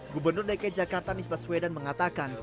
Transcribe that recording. gubernur dki jakarta nisbah sweden mengatakan